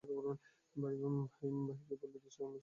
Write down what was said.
ভাইকে বলে দিস আমি সন্ধ্যার বাসে আসছি।